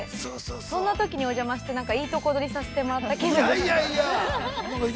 そんなときにお邪魔していいとこ取りさせてもらって。